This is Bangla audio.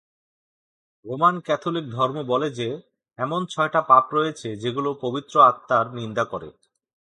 রোমান ক্যাথলিক ধর্ম বলে যে, এমন ছয়টা পাপ রয়েছে, যেগুলো পবিত্র আত্মার নিন্দা করে।